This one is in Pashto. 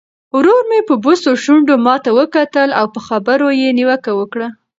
ورور مې په بوڅو شونډو ماته وکتل او په خبرو یې نیوکه وکړه.